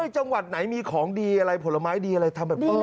จังหวัดไหนมีของดีอะไรผลไม้ดีอะไรทำแบบนี้